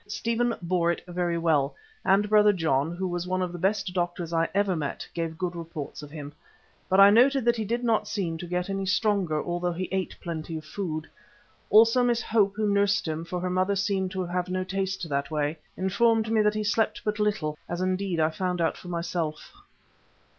Stephen bore it very well, and Brother John, who was one of the best doctors I ever met, gave good reports of him, but I noted that he did not seem to get any stronger, although he ate plenty of food. Also, Miss Hope, who nursed him, for her mother seemed to have no taste that way, informed me that he slept but little, as indeed I found out for myself.